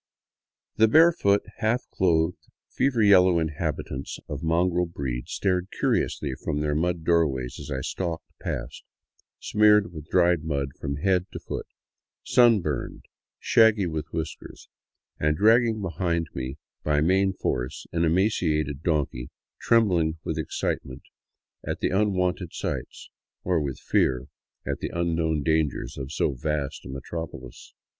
The barefoot, half clothed, fever yellow inhabitants of mongrel breed stared curiously from their mud doorways as I stalked past, smeared with dried mud from head to foot, sunburned, shaggy with whiskers, and dragging behind me by main force an emaciated donkey trembling with excitement at the unwonted sights, or with fear at the unknown dangers of so vast a metropolis.